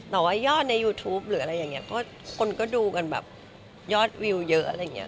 แต่ว่ายอดในยูทูปหรืออะไรอย่างนี้ก็คนก็ดูกันแบบยอดวิวเยอะอะไรอย่างนี้